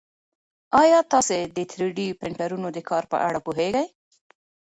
ایا تاسي د تری ډي پرنټرونو د کار په اړه پوهېږئ؟